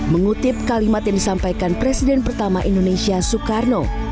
mengutip kalimat yang disampaikan presiden pertama indonesia soekarno